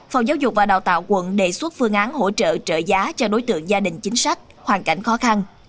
phòng giáo dục và đào tạo quận đề xuất phương án hỗ trợ trợ giá cho đối tượng gia đình chính sách hoàn cảnh khó khăn